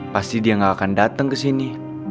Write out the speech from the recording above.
pasti dia gak akan dateng kesini